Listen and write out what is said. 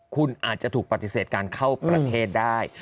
คุณอาจจะถูกปฏิเสธการเข้าประเทศได้